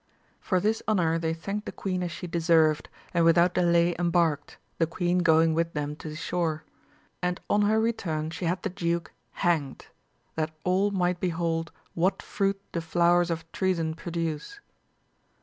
For this honour they thanked the queen as she deserved, and without delay embarked, the queen going with them to the shore ; and on her return she had the duke hanged, that all might behold t fruit the flowers of treason produce.